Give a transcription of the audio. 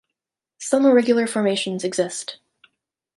Some irregular formations exist.